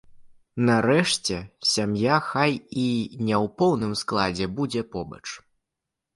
Нарэшце сям'я, хай і не ў поўным складзе, будзе побач.